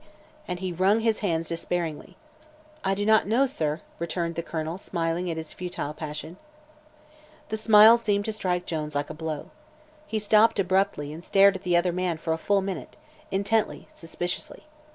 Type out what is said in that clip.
and he wrung his hands despairingly. "I do not know, sir," returned the Colonel, smiling at his futile passion. The smile seemed to strike Jones like a blow. He stopped abruptly and stared at the other man for a full minute intently, suspiciously.